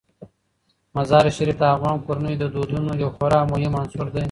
مزارشریف د افغان کورنیو د دودونو یو خورا مهم عنصر دی.